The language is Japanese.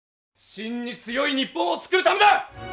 真に強い日本を作るためだ。